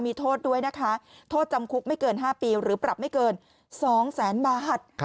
มีโทษด้วยนะคะโทษจำคุกไม่เกิน๕ปีหรือปรับไม่เกิน๒แสนบาท